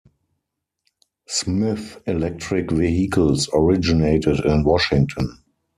Smith Electric Vehicles originated in Washington.